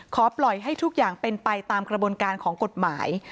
ขอให้ปล่อยให้ทุกอย่างเป็นไปตามกระบวนการของกฎหมาย